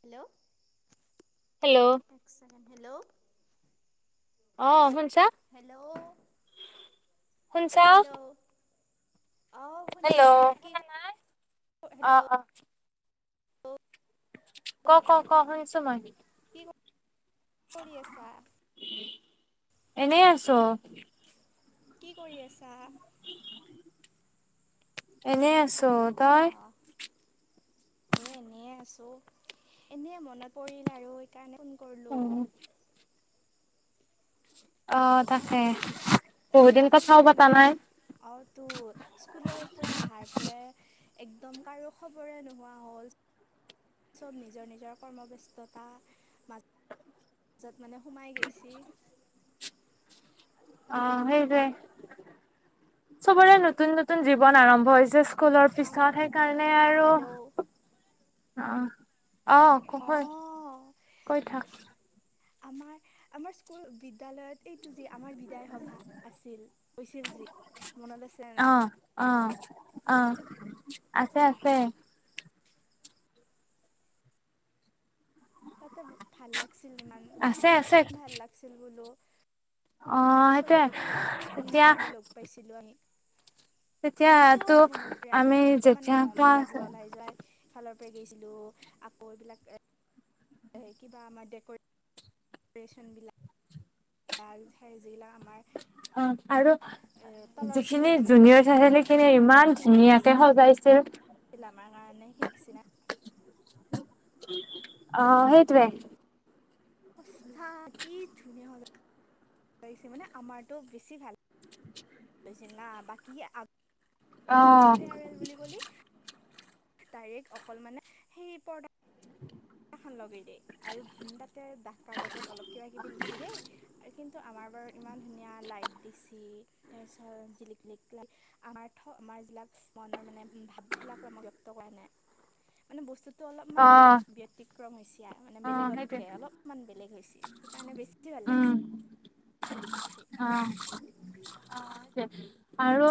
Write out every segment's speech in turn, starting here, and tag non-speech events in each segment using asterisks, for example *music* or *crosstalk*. Hello! Hello! এক second hello! আহ শুনছা, হেল্ল' শুনছা। হেল্ল' অঁ শুনি আছোঁ হেল্ল'! কি শুনা নাই অ, হেল্ল' ' অ, '। ক-ক-ক শুনিছো মই কি কৰি আছা? এনে আছো। কি কৰি আছা? এনেই আছো তই? মই এনে আছো এনে মনত পৰিল আৰু সেইকাৰণে ফোন অ, '। কৰিলোঁ। অ, ' তাকে। চাহ বহুত দিন তা খালি কথাও নে পতা নাই অ' টো, স্কুলৰ পৰা অহাৰ পৰাই একদম কাৰো খবৰে নোহোৱা হ'ল। চব নিজৰ নিজৰ কৰ্মব্যস্ততা মাজ-জত মানে সোমাই গৈছে অ, ' সেইটোৱে। চবৰে নতুন নতুন জীৱন আৰম্ভ হৈছে। স্কুলৰ খাওঁ মই পিছত খাইছোঁ সেইকাৰণে আৰু হেল্ল' অহ আহ। কখৈ, অঁ কৈ থাক আমাৰ-আমাৰ স্কুল বিদ্যালয়ত এই আজি আমাৰ বিদায় সভা আছিল হৈছিল যি। মনত আছে নাই অ' অহ, অ'। আছে আছে। তাতে ভাল লাগ আছিল ইমান আছে আছে ভাল লাগছিল বোলো। অ সেইটোৱে চবকে লগ এতিয়া কাৰণে লগ পাইছিলো আমি। মোৰ তেতিয়াতো চব মনত পৰে আমি কেনেকে মানে যেতিয়া মম ক্লাছ বিলাক জ্বলাই যাই ফালৰ গৈছিলোঁ আকৌ এইবিলাক এ কিবা আমাৰ দেকৰেচন *unintelligible* অ আৰু যিখিনি তলৰখিনিয়ে মানে জুনিয়ৰ *unintelligible* খিনি ইমান সৰুখিনিয়ে ধুনীয়াকে কৈছিল সজাইছিল! আমাৰ কাৰণে সেইখিনি অঁ সেইটোৱে। অৱস্থা কি ধুনীয়া হল লাগিছে মানে আমাৰটো বেছি ভাল। ছিল না বাকী আ অ গড়ফেয়াৰ ৰেল বুলি কলি ডাইৰেক্ট অকল মানে সেই পৰ্দা এখন লগাই দিয়ে আৰু তাতে ডাঠ কাগজত অলপ কিবা কিবি লিখি দিয়ে কিন্তু আমাৰ বাৰু ইমান ধুনীয়া লাইট দিচি তাৰপিছত জিলিকিক লাই আমাৰ থ আমাৰ যিলাক মনৰ মানে ভাৱবিলাক মই ব্যক্ত কৰা নাই, মানে বু যিটো অলপমান অ ব্যক্তিগেত *unintelligible* এতিয়া মানে অ সেইটোৱে বেলেগতকে অলপমান বেলেগ হৈছে সেইকাৰণে বেছি ভাল উম লাগছি। অ' আৰু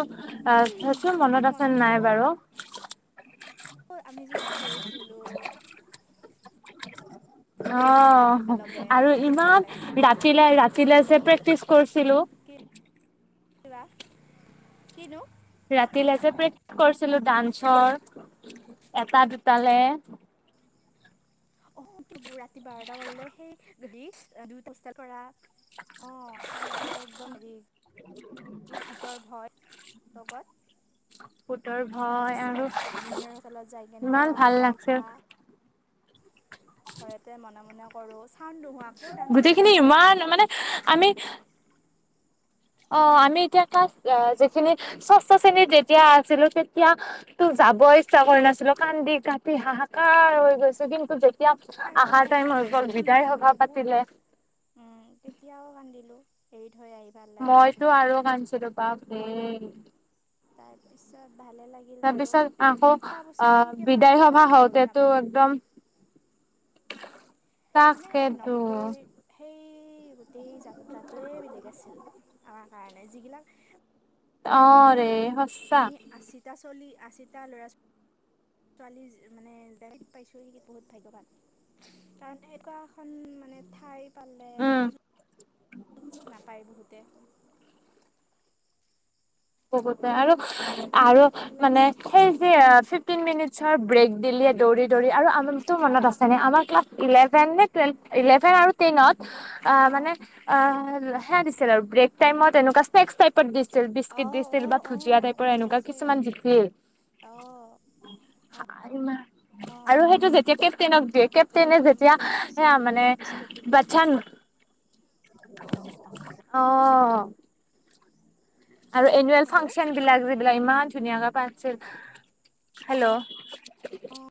অ' চাচোন মনত আছে নাই বাৰু। অ 'আমি যি না কৰিছিলো। অ ' আৰু সেইটো বেছি ভাল ইমান লাগিছে ৰাতিলে ৰাতিলৈ আছিল যে প্ৰেক্টিচ কৰিছিলো। কিবা কিনো। ৰাতিলৈ যে প্ৰেক্টিচ কৰিছিলো ডান্সৰ এটা দুটালৈ। অ ৰাতি বাৰটা বাজিলে সেই গাড়ী দুই কষ্ট কৰা। অ' লওতে একদম হেৰি যি ভূতৰ ভয়। লগত। *inaudible* ভোটৰ ভয় তাৰপিছত আৰু জুনিয়ৰ হোষ্টেলত যাই কেনে ইমান কৰা ভাল গালি লাগছে। খোৱা ভয়তে মনে -মনে। পৰচ, গোটেইখিনি ইমান মানে আমি। অ' আমি এতিয়া কাক যিখিনি ষষ্ঠ শ্ৰেণীত যেতিয়া আছিলো, তেতিয়া তোক যাব ইচ্ছা কৰা নাছিলো কান্দি কাটি হাহাকাৰ হৈ গৈছো কিন্তু। ফাৰ্ষ্ট আহাৰ টাইম হৈ অ' গ'ল প্ৰথম বিদায় দিনা আমি সভা বহুত পাতিলে কান্দিলো, উ তেতিয়াও কান্দিলো। এই মইতো আৰু কাণচোৰুকা এই তাৰপিছত ভালে লাগিল বাৰু তাৰপিছত আকৌ সাতটা বছৰ আহ কেনেকৈ পাৰ বিদায় হৈ গ'ল সভা আমি গমেই হওঁতেটো নাপালোঁ একদম মানে তাকেটো নৱোদয়ৰ সেই যাত্ৰাটোৱে বেলেগ আছিল। আমাৰ কাৰণে যিগিলাক অ' মানে ৰে সঁচা। আমি আশীটা চলি আশীটা ল'ৰা ছোৱা- ছোৱালী মানে ডাইৰেক্ট পাইছোঁ, সে কি বহুত ভাগ্যৱান। কাৰণ সেনেকুৱা এখন মানে ঠাইত পালে উম *unintelligible* নাপায় বহুতে ক'ব আৰু, সেইটোৱেতো আৰু, ভাল মানে লাগছি সেই যে ফিফটিন মিনিট চব ব্ৰেক দিলে দৌৰি দৌৰি আৰু আম *unintelligible* মনত আছেনে, আমাৰ ক্লাছ *unintelligible* টেন নে টোৱেলভ, ইলেভেন আৰু টেনত, আ অঁ মানে, আ সেয়া দিছিল আৰু, ব্ৰেক টাইমত এনেকুৱা ন্সেক্স টাইপত দিছিল। অঁ দিছিল অঁ বা ভুজিয়া অঁ টাইপৰ মনত এনেকুৱা আছে কিছুমান অঁ অঁ *unintelligible* অঁ আৰু সেইটো যেতিয়া কেপটেইনক দিয়ে, আগতে কেপটেইনে যেতিয়া, কিবা ভুজিয়া সেয়া দিব মানে কিবা বিস্কুট দিব বাচ্ছা অ' আৰু এনুৱেল হেল্ল' ফাংচন বিলাক যে বিলাক ইমান ধুনীয়াকে পাতছিল, হেল্ল'। অ'।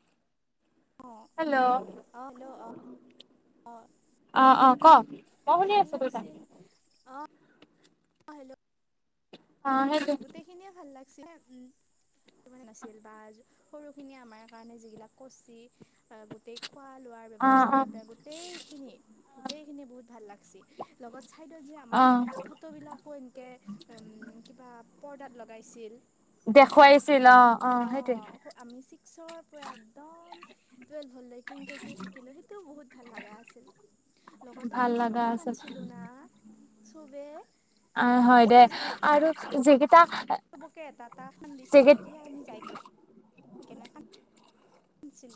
হেল্ল', অঁ অ', অ'। ক'। মই শুনি ভাল আছোঁ, দেউতা। অ', হেল্ল'। অ', গোটেইখিনিয়ে ভাল লাগ *unintelligible* উম, মানে নাছিল বা সৰুখিনিয়ে আমাৰ কাৰণে যিবিলাক কৰছি আহ! গোটেই খোৱা-লোৱাৰ অ', ব্যৱস্থাৰ অ', এটা গোটেইখিনি। গোটেইখিনি বহুত ভাল লাগ *unintelligible* লগত চাইদত যে আমাৰ অ', ফটো বিলাকো এনেকে *unintelligible* উম। কিবা পৰ্দাত লগাইছিল। দেখুৱাইছিল অ', অ', হেইটোৱে। অঁ *unintelligible* পৰা একদম টুৱেল্ভলৈ কিনকে কি থাকিলে সেইটোও বহুত ভাল লগা আছিল, লগতে ভাল আমি লগা কিমান আছিল কান্দছিলো না। চবে অ, আমিতো হয় দে ষ্টেজত যেতিয়া আৰু আমাক জেকে চবকে এটা এটা *unintelligible* দিছিল তেতিয়া, আমি যাই কেনেকা দিছিল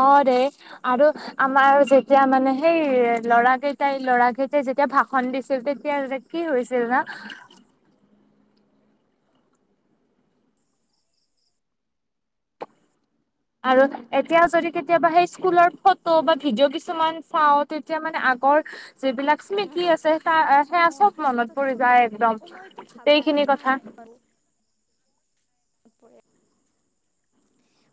অ' ৰে আৰু মোৰতো আমাৰ যে যেতিয়া মানে সেই মইতো কান্দিয়ে ল'ৰা দিছিলোঁ। কেইটাই ল'ৰা কেইটাই যেতিয়া ভাষ কান্দিছিল তেতিয়া যে কি হৈছিল না। আৰু এতিয়া যদি কেতিয়াবা সেই স্কুলৰ ফটো বা ভিডিঅ' কিছুমান চাওঁ তেতিয়া মানে আগৰ যিবিলাক স্মৃতি আছে তাৰ অ সেয়া চ'ব মনত ফাৰ্ষ্টত পৰি কোনোবা যায় অ মইতো একদম ভাবাই গোটেইখিনি কথা ওপৰে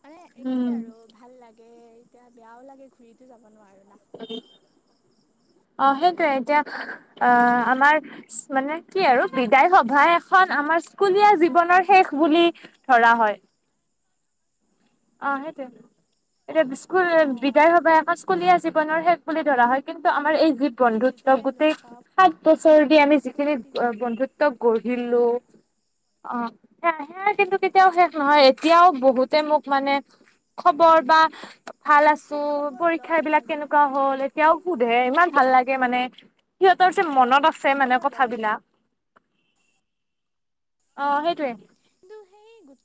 মানে কি উম, আৰু ভাল লাগে। দে এতিয়া বেয়াও লাগে ঘূৰিতো যাব নোৱাৰো। না। *inaudible* অ সেইটোৱে এতিয়া আহ আমাৰ মানে কি আৰু যিমান মানে বিদায় সভা এখন আমাৰ যিমান স্কুলীয়া ট্ৰাই কৰিম জীৱনৰ সিমান শেষ যাব বুলি নোৱাৰো ধৰা হয়। অ সেইটোৱে এতিয়া বিস্কুল অ বিদায় সভা এখছ লীয়া জীৱনৰ শেষ বুলি ধৰা সেই হয় কিন্তু আমাৰ এই যি সেই বন্ধুত্ব দিনটোতে লগ গোটেই পাওঁ সাত বছৰ দি আমি যিখিনি ফূৰ্তি কৰোঁ বন্ধুত্ব গঢ়িলো, অ সে সেয়া কিন্তু কেতিয়াও শেষ নহয় এতিয়াও বহুতে মোক মানে খবৰ বা ভাল আছো, মোকো খবৰ লয় পৰীক্ষাবিলাক মাজে কেনেকুৱা হ'ল এতিয়াও কিন্তু সোধে ইমান কি ভাল লাগে মানে খবৰ সিহঁতৰ যে মনত লয় আছে মানে খবৰ লয় কথাবিলাক। অহ সেইটোৱে। ই গোট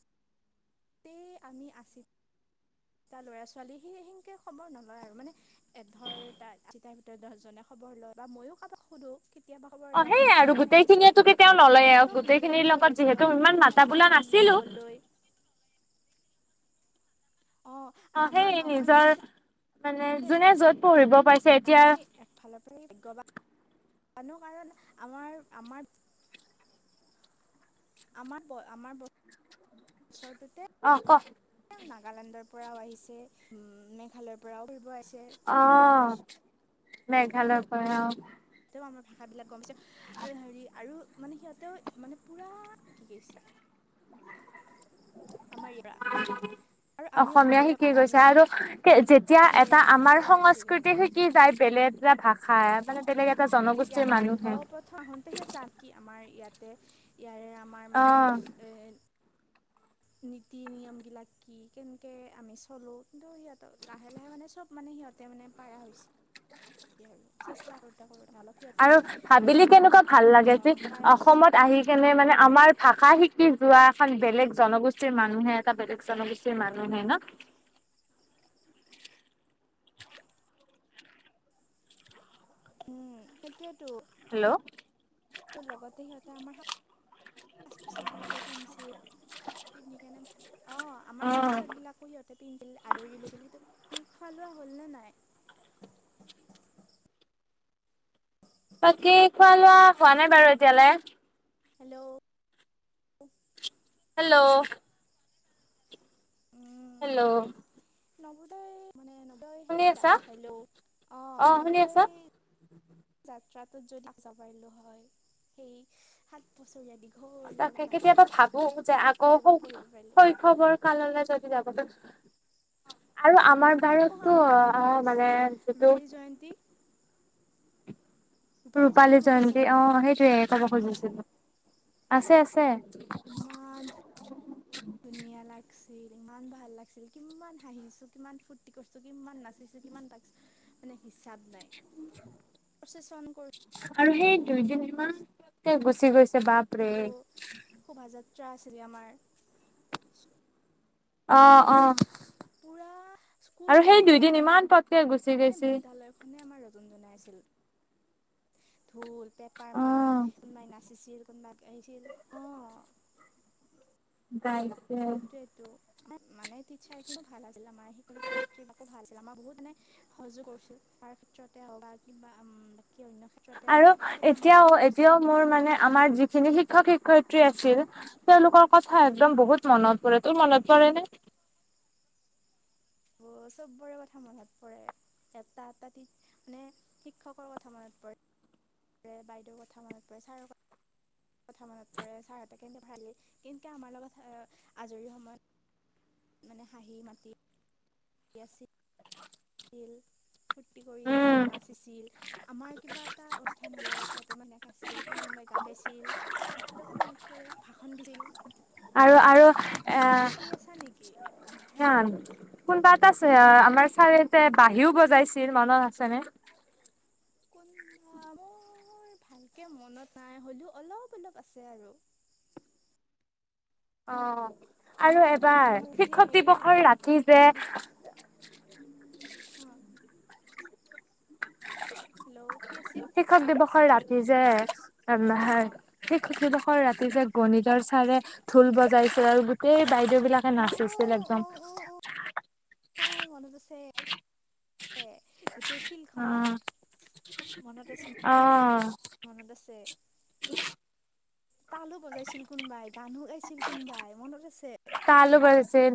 ই আমি আছিদ ল'ৰা-ছোৱালী সি সেনকে খবৰ নলয় আৰু মানে এধৰ তাৰ আচিতাৰ ভিতৰত দহজনে খবৰ লয় বা মইয়ো কাবাক সোধো। অ সেই আৰু গোটেইখিনিয়েতোকে তেওঁ ললয় মানে আৰু চব নিজৰ গোটেইখিনিৰ নিজৰ লগত ব্যস্ত যিহেতু কোনোবা ইমান মাতা গুৱাহাটীত বোলা কোনোবা নাছিলো। মংগলদৈ অঁ অ আৰু হেই আমাৰ আমাৰ নিজৰ বাৰতে মানে যোনে মানে যত পঢ়িব পাইছে এতিয়া আমি এফালৰ পৰাই ভাগ্যৱান মানুহ কাৰণ আমাৰ আমাৰ আমাৰ আমাৰ বছৰটো অহ ক। নাগালেণ্ডৰ পৰাও আহিছে উ মেঘালয়ৰ পৰাও ফ আহিছে। অ আমি গম পাইছোঁ মেঘালয় পৰা অ। সিহঁতেও আমাৰ ভাষা বিলাক গমছে হেৰি আৰু মানে সিহঁতেও মানে পোৰা শিকি গৈছে। আৰু আমিও অলপ অসমীয়া অলপ শিকি আগামি গৈছে আৰু যেতিয়া শিকিছোঁ এটা আমাৰ ভাল লাগছে সংস্কৃতি কিন্তু শিকি যায় বেলেগ ভাষাই মানে বেলেগে ইয়াত অ প্ৰথম আহোতে সিত যাম কি আমাৰ ইয়াতে ইয়াৰে আমাৰ অ মানে এ নীতি নিয়মবিলাক কি কেনেকে আমি চলোঁ কিন্তু সিহঁতৰ লাহে লাহে মানে সব মানে সিহঁতে মানে পয়া হৈছে। আৰু চেষ্টা কৰোঁতে কৰোঁ নল সিহঁতে আৰু ভাবিলি কেনেকুৱা ভাল লাগাই যে পাৰা হৈছে অসমত আহি কেনে মানে আৰু আমাৰ ভাষা শিক কি যোৱা এখন বেলেগ জনগোষ্ঠীৰ মানুহে এটা বেলেগ জনগোষ্ঠীৰ মানুহে ন উম সেইটোয়ে হেল্ল' অ লগতে সিহত এয়া আমাৰ হাত পাজ পোছাক গিলাকো পিন্ধা পিন্ধি কাৰণে ভাল অ আমাৰ সাজ-পোচাক বিলাকো সিহঁতে পিন্ধি আদৰি লৈছিলি ফালোৱা হ'লনে নাই? বাকী খোৱা লোৱা হোৱা নাই বাৰু এতিয়ালৈ হেল্ল'? হেল্ল'! উম, হেল্ল'! নৱোদয় মানে নৱোদয় সেই শুনি আছা জাত চাইলো অ অ শুনি আছা নৱোদয় জ ৰাত য নাকচাব পাৰিলো হয় সেই সাত বছৰীয়া দিত তাকে কেতিয়াবা ভাবো যে আকৌ এবাৰ পঢ়িব পাৰিলে শৈশৱৰ কাললৈ যদি য আৰু আ আমাৰ অ' বোৰতো আমাৰ হেৰি আহ মনত মানে আছেনে যিটো ৰূপালী জয়ন্তী ৰূপালী মনত জয়ন্তী আছেনে নাই অ' সেইটোয়ে। চব খুজিছিলো আছে -আছে ইমান ধুনীয়া লাগি ইমান ভাল লাগিছিল, কিমান হাঁহিছো, কিমান ফূৰ্তি কৰিছো, কিমান নাচিছো কিমান বাগিচো মানে হিচাপ। হিচাপ নাই। প্ৰচেচন কৰি। আৰু সেই দুইদিন ইমান পটকে গুচি গৈছে। বাপৰে। যাত্ৰা আছিলে আমাৰ। অ' অ' পুৰা স্কুল আৰু সেই গোটেই দুইদিন ইমান পটকে গুচি গৈছে। মানে বিদ্যালয়খনে আমাৰ ৰজন জনাই আছিল ঢোল। পেপাৰ অ মাত কোনোবাই নাচিছিল। *unintelligible* আহছিল? অঁ তাইছে *unintelligible* মানে টিচাৰ খিনি ভাল আছিল আমাৰ, ‌শিক শিক্ষয়্ৰীাকো ভাল আছিল, আমাৰ বহুত মানে সহজু কৰিছিল, তাৰ ক্ষেত্ৰতে বা কিবা বাকী অন্য ক্ষেত্ৰতে আৰু হওক চবে আমাক এতিয়াও সহায় এতিয়াও মোৰ মানে আমাৰ যিখিনি কৰিছিল শিক্ষক শিক্ষয়িত্ৰী আছিল, তেওঁলোকৰ কথা একদম বহুত মনত পৰে। তোৰ মনত পৰে উম নে? চব বোৰে কথা মনত পৰে, এটা এটা মানে শিক্ষকৰ কথা মনত পৰে, বাইদেউৰ কথা মনত পৰে ছাৰ ক মনত পৰে, ছাৰ এটা কেনেকে ভৰা়ালি কেন্তকে আমাৰ লগত আজৰি সময়ত মানে হাঁহি মাটি ফূৰ্তি *unintelligible* কৰি উম আছিল, নাচিছিল, আমাৰ কিবা এটা অনুষ্ঠান হ'লাই ছাতে মানুহে নাচিছিল কোনোব কোনোবাই গা গাইছিল, এইবত আকো মনত পৰে, ভাষণ দিছিল। আৰু আৰু, এ' স আছা নেকি *inaudible* *unintelligible* কোনবাত আছে আমাৰ চাৰিতে বাঁহীও বজাইছিল। মনত আছেনে? কোনলা, মোৰ ভালকে মনত নাই হলেও অলপ অলপ আছে আৰু। অ' আৰু আমাৰ অ এবাৰ, আমাৰ যে শিক্ষক হেৰি দিৱসৰ বহ ৰাতি যে হ *unintelligible* হেল্ল' কি আছিল শিক্ষক দিৱসৰ ৰা নিজাৰ *unintelligible* আমা *unintelligible* অ হয় সেই খছিলিব ৰাতি যে, গণিতৰ ছাৰে ঢোল বজাইছিল আৰু গোটেই বাইদেউবলাকে অ নাচিছিল একদম। অঁ মনত আছে। গোটেই ফিল্ড খনত অ' মনত আছে, অ' মনত আছে। তালো বজাইছিল কোনবাই, গানো গাইছিল কোনবাই। মনত আছে? তালো বজাইছিল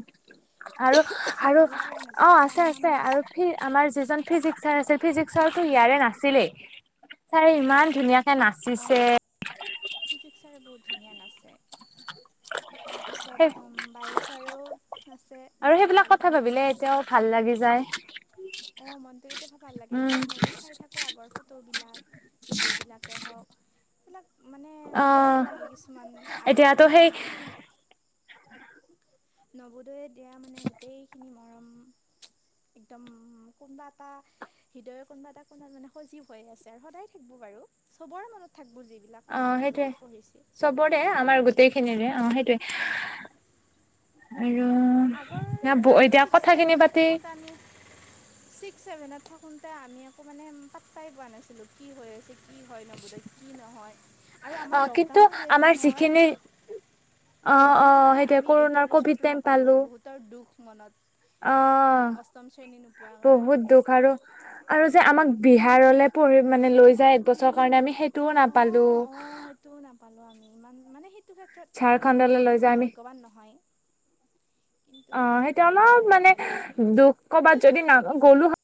আৰু, আৰু আমিও পুৰা অঁ নাচিছিলোঁ আছে তামাম আছে, আৰু নাচিছিলোঁ ফি আমাৰ যিজনিজ ছাৰ আ ফিজিক্সৰো ইয়াৰে নাছিলেই, ছাৰে ইমান ধুনীয়া স *unintelligible* নাচিছে। ফিজিক্সৰে বহুত ধুনীয়া নাচে। তাৰ সেই পিছতম বায়ু আৰু সেইবিলাক কথা ভাবিলে এতিয়াও ভাল লাগি যায় অঁ মনতো কেতিয়াবা ভাল লাগে উম। এতিয়া মইয়ো চাই থাকো আগৰ ফ ফটো বিলাক, ভিডিঅ' বিলাকে হওক, এইবিলাক মানে অ' ভাল লাগে কিছুমান আৰু এতিয়াতো মানে সেই নৱোদয়ে এতিয়া মানে গোটেইখিনি ম মৰম একদম, কোনোবা এটা হৃদয় কোনোবা এটা কোনাত মানে সজীৱ হৈ আছে আৰু, সদায় থাকব বাৰু চবৰে মনত থাকব য আহ, সেইটোৱে চবৰে আমাৰ গোটেই খিনিৰে অহ ' সেইটোৱে। আগৰ আৰু আমি এতিয়া ছিক্স কথাখিনি ছেভেনত পাতি থাকোতে আমি ছিক্স চেভেনত থাকোতে আমি একো মানে পাত্তাই পোৱা নাছিলো কি হৈ আছিল। কি হয় নবোদয় কি নহয় আৰু আমাৰ অ' কিন্তু লকডাউনো যেল আমাৰ নহয় যিখিনি অ' লকডাউনৰ অ' কাৰণে সেইটোৱে আমি কৰোণাৰ এইটৰ বছৰটো নাপা পালো বহুতৰ। দুখ মনত। অহ অষ্টম শ্ৰেণী নোপোৱাৰ ' কাৰণে। বহুত দুখ আৰু - আৰু যে আমাক। বিহাৰলৈ পৰি মানে লৈ যায় একবছৰৰ কাৰণে আমি সেই তো নাপালো। অঁ অঁ সেইটো নাপালোঁ আমি ইমান মানে সেইটো ক্ষেত্ৰত বাৰু ঝাৰখণ্ডলৈ লৈ ভাগ্যৱান নহয়। কিন্তু মানে অহ ' সেইটোয়া ভাল লাগে অলপ আৰু মানে হ'লেও দুখ সেইটো কৰবাত দুখ যদি না থাকি যায় গ'লো